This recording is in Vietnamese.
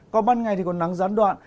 còn ban ngày thì còn nắng gián đoạn